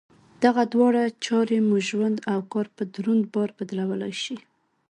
دغه دواړه چارې مو ژوند او کار په دروند بار بدلولای شي.